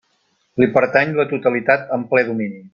Li pertany la totalitat en ple domini.